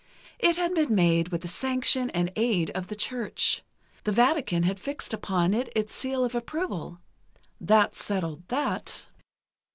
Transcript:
It had been made with the sanction and aid of the Church. The Vatican had fixed upon it its seal of approval. That settled that.